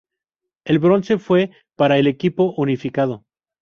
El bronce fue para el Equipo Unificado.